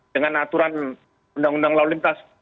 dengan aturan undang undang lalu lintas